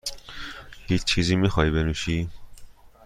هیچ چیزی میخواهی بنوشی؟